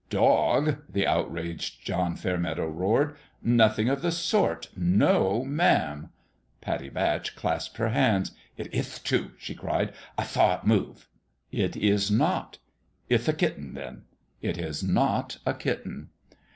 " Dog !" the outraged John Fairmeadow roared. " Nothing of the sort ! No ma'am !" Pattie Batch clasped her hands. " It ith, too I " she cried. " I thaw it move." "It is not!" " Ith a kitten, then/' " It is not a kitten